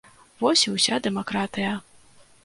Вось і ўся дэмакратыя.